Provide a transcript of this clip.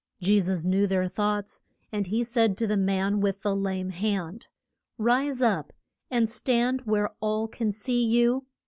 Je sus knew their thoughts, and he said to the man with the lame hand, Rise up, and stand where all can see you.